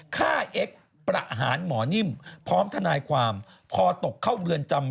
เอ็กซ์ประหารหมอนิ่มพร้อมทนายความคอตกเข้าเรือนจำ